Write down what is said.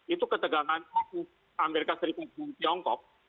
itu ketegangan amerika serikat dan tiongkok